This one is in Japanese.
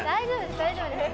大丈夫です。